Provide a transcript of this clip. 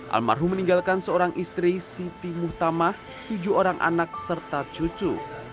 almarhum meninggalkan seorang istri siti muhtamah tujuh orang anak serta cucu